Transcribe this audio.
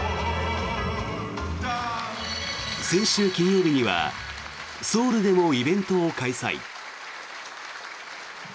先週金曜日にはソウルでもイベントを開催。